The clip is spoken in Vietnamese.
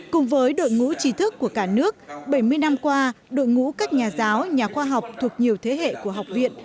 cùng với đội ngũ trí thức của cả nước bảy mươi năm qua đội ngũ các nhà giáo nhà khoa học thuộc nhiều thế hệ của học viện